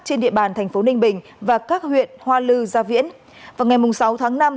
trên địa bàn thành phố ninh bình và các huyện hoa lư gia viễn vào ngày sáu tháng năm